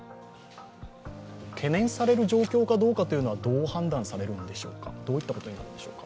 懸念される状況かどうかというのはどう判断されるんでしょうか。